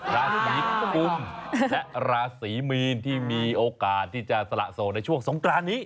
ราศีกุมและราศีมีนที่มีโอกาสที่จะสละโสดในช่วงสงกรานนี้